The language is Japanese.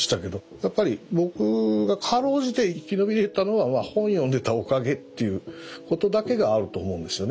やっぱり僕が辛うじて生き延びれたのは本読んでたおかげっていうことだけがあると思うんですよね。